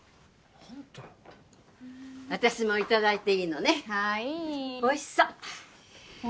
私もいただいていいのねはいいおいしそう